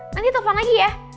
nanti telfon lagi ya